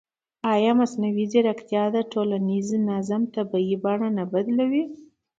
ایا مصنوعي ځیرکتیا د ټولنیز نظم طبیعي بڼه نه بدلوي؟